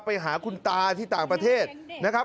ไปหาคุณตาที่ต่างประเทศนะครับ